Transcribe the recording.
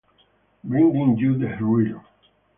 Bringing you the rear.